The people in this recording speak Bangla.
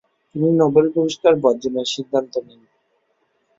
তিনি নোবেল পুরস্কার বর্জনের সিদ্ধান্ত নেন।